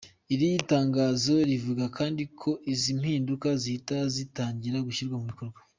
Iri tangazo rivuga kandi ko izi mpinduka zihita zitangira gushyirwa mu bikorwa.